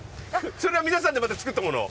それは皆さんでまた作ったもの？